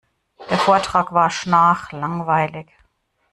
Der Vortrag war schnarchlangweilig.